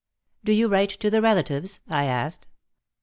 '* Do vou WTite to the relatives ?" I asked.